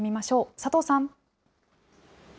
佐藤さん。